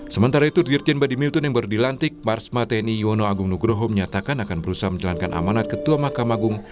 sementara itu dirjen badi milton yang berdilantik marsma tni yuwono agung nugroho menyatakan akan berusaha menjalankan amonat ketua mahkamah agung